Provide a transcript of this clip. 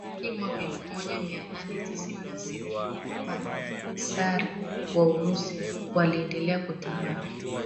hadi mwaka elfu moja mia nane tisini na sita Matsar wa Urusi waliendelea kutawala